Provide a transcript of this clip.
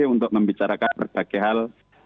untuk membicarakan berbagai hal